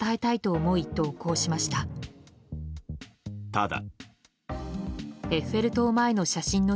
ただ。